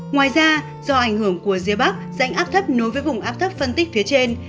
ngoài ra do ảnh hưởng của rìa bắc rãnh áp thấp nối với vùng áp thấp phân tích phía trên